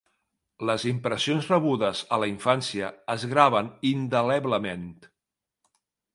Les impressions rebudes a la infància es graven indeleblement.